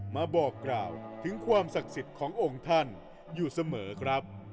มาบอกกล่าวถึงความศักดิ์สิทธิ์ขององค์ท่านอยู่เสมอครับ